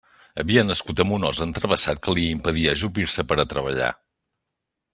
Havia nascut amb un os entravessat que li impedia ajupir-se per a treballar.